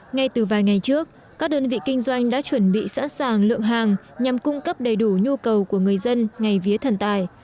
ngay từ vài ngày trước các đơn vị kinh doanh đã chuẩn bị sẵn sàng lượng hàng nhằm cung cấp đầy đủ nhu cầu của người dân ngày vía thần tài